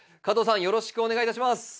加藤さんよろしくお願いいたします。